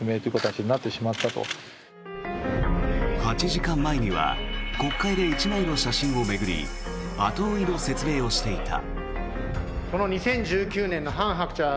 ８時間前には国会で１枚の写真を巡り後追いの説明をしていた。